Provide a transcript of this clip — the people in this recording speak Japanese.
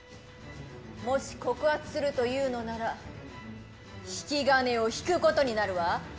もし、告発するというのなら、引き金を引くことになるわ。